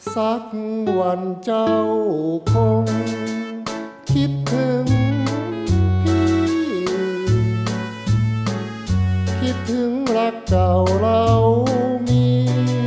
สักวันเจ้าคงคิดถึงพี่คิดถึงรักเจ้าเรามี